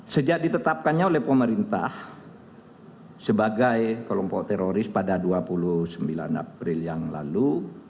sejak ditetapkannya oleh pemerintah sebagai kelompok teroris pada dua puluh sembilan april yang lalu